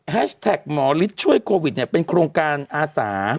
แฮชแท็กหมอฤทธิ์ช่วยโควิดเป็นโครงการอาสา